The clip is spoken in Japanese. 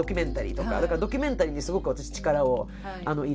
だからドキュメンタリーにすごく私力を入れていて。